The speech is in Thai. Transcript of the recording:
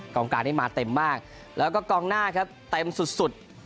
การนี้มาเต็มมากแล้วก็กองหน้าครับเต็มสุด